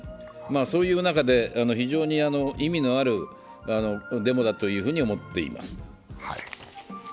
そういう中で非常に意味のあるデモだというふうに思っています。